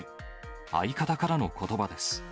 相方からのことばです。